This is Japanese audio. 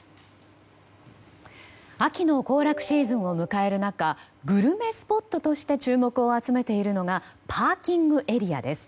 秋の行楽シーズンを迎える中グルメスポットとして注目を集めているのがパーキングエリアです。